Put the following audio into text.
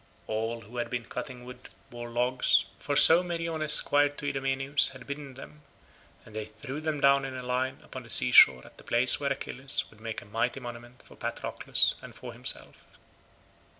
All who had been cutting wood bore logs, for so Meriones squire to Idomeneus had bidden them, and they threw them down in a line upon the sea shore at the place where Achilles would make a mighty monument for Patroclus and for himself.